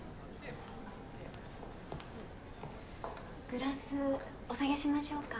・グラスお下げしましょうか。